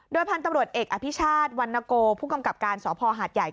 พันธุ์ตำรวจเอกอภิชาติวันนโกผู้กำกับการสพหาดใหญ่